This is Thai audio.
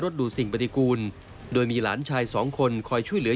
ดูสิ่งปฏิกูลโดยมีหลานชายสองคนคอยช่วยเหลือ